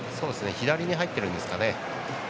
左に入ってるんですかね。